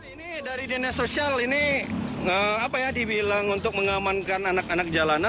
ini dari dinas sosial ini apa ya dibilang untuk mengamankan anak anak jalanan